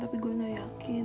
tapi gue gak yakin